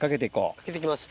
かけて行きます